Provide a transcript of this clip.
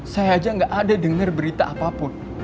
saya aja gak ada dengar berita apapun